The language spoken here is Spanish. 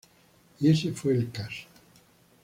Y ese fue el caso.